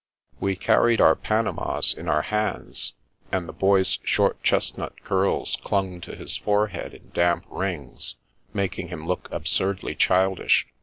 We carried our panamas in our hands, and the Boy's short chestnut curls clung to his forehead in damp rings, making him look absurdly childish.